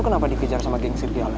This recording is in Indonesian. lo kenapa dikejar sama geng sirgala